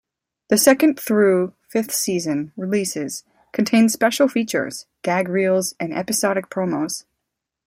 The second through fifth season releases contain special features, gag reels and episodic promos.